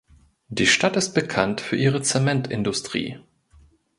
Die Stadt ist bekannt für ihre Zementindustrie.